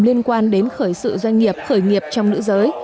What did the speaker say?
liên quan đến khởi sự doanh nghiệp khởi nghiệp trong nữ giới